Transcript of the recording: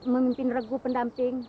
memimpin regu pendamping